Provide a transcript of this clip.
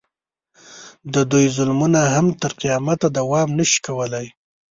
د دوی ظلمونه هم تر قیامته دوام نه شي کولی.